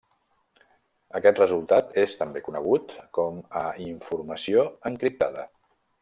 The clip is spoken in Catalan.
Aquest resultat és també conegut com a informació encriptada.